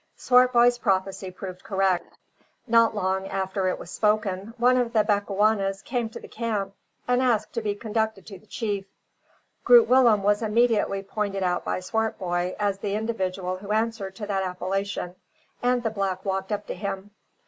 Swartboy's prophecy proved correct. Not long after it was spoken, one of the Bechuanas came to the camp, and asked to be conducted to the chief. Groot Willem was immediately pointed out by Swartboy as the individual who answered to that appellation, and the black walked up to him.